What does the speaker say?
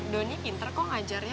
donnya pinter kok ngajarnya